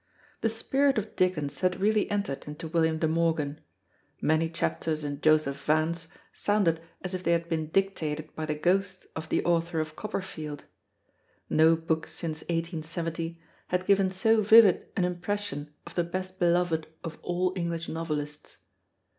The spirit of Dickens had really entered into William De Morgan; many chapters in Joseph Vance sounded as if they had been dictated by the ghost of the author of Copperfield. No book since 1870 had given so vivid an impression of the best beloved of all English novelists.